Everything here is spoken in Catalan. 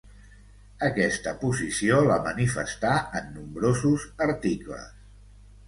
Aquesta posició la manifestà en nombrosos articles.